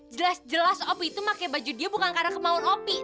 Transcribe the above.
jelas jelas opi itu pakai baju dia bukan karena kemauan ngopi